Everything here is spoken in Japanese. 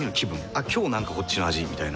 「あっ今日なんかこっちの味」みたいな。